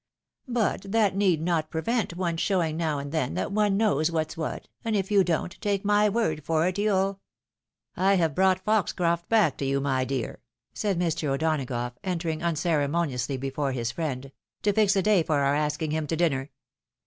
But that need not prevent one's showing now and then that one knows what's what, and if you don't, take my word for it you'U —"" I have brought Foxcroft back to you, my dear," said Mr. AU UNSOPHISTICATED YOUNG LADY. 269 O'Donagough, entering unceremoniously before his friend, " to fix a day for our asking Mm to dinner.